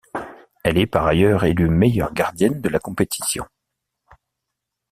Elle est par ailleurs élue meilleure gardienne de la compétition.